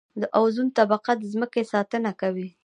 د اوزون طبقه د ځمکې ساتنه کوي